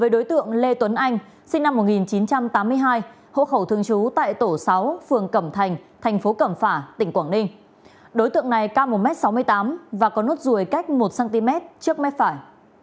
đối tượng này ca một m sáu mươi tám và có nốt ruồi cách một cm trước mép phải